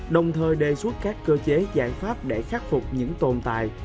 đồng thời đề xuất các cơ chế giải pháp để khắc phục những tồn tại